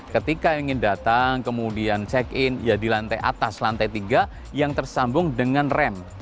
ketika ingin datang kemudian check in ya di lantai atas lantai tiga yang tersambung dengan rem